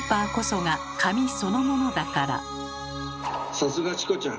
さすがチコちゃん！